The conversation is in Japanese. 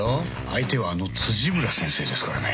相手はあの辻村先生ですからね。